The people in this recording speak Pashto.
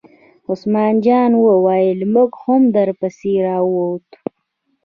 عثمان جان وویل: موږ هم در پسې را ووتو.